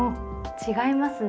違いますね。